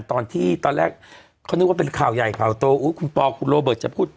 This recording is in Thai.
ตอนแรกเขานึกว่าเป็นข่าวใหญ่ข่าวโตอุ้ยคุณปอคุณโรเบิร์ตจะพูด